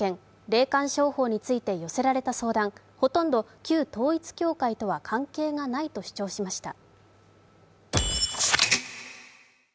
霊感商法について寄せられた相談、ほとんど旧統一教会とは関係がないと主張しました。